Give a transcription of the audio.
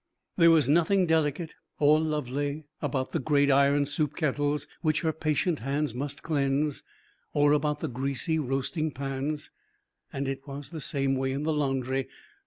There was nothing delicate or lovely about the great iron soup kettles which her patient hands must cleanse, or about the greasy roasting pans. And it was the same way in the laundry.